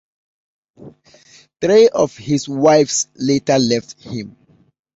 Three of his wives later left him.